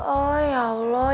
oh ya allah